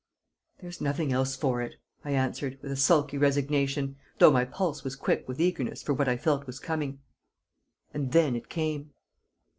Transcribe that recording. "There's nothing else for it," I answered, with a sulky resignation, though my pulse was quick with eagerness for what I felt was coming. And then it came.